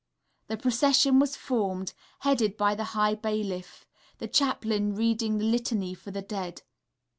The procession was formed, headed by the High Bailiff, the Chaplain reading the litany for the dead.